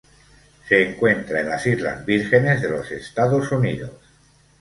Se encuentra en las Islas Vírgenes de los Estados Unidos.